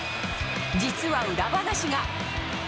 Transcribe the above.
実は裏話が。